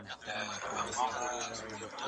زه بايد سیر وکړم،